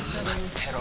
てろ